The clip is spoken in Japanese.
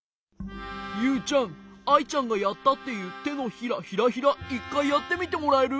ユウちゃんアイちゃんがやったっていうてのひらヒラヒラ１かいやってみてもらえる？